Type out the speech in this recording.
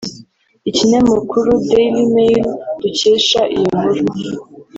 Ikinyamakuru Dailymail dukesha iyi nkuru